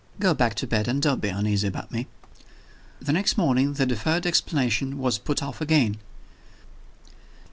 Go back to bed, and don't be uneasy about me." The next morning the deferred explanation was put off again.